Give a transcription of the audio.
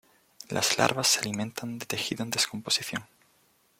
Las larvas se alimentan de tejido en descomposición.